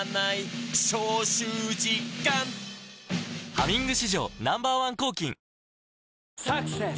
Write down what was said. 「ハミング」史上Ｎｏ．１抗菌「サクセス」